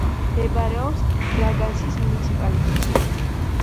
მდებარეობს ბრაგანსის მუნიციპალიტეტში.